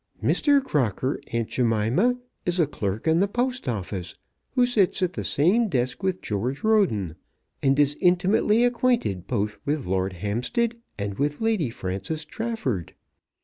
"Mr. Crocker, Aunt Jemima, is a clerk in the Post Office, who sits at the same desk with George Roden, and is intimately acquainted both with Lord Hampstead and with Lady Frances Trafford.